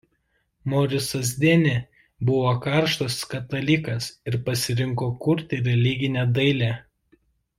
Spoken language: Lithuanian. Morisas Deni buvo karštas katalikas ir pasirinko kurti religinę dailę.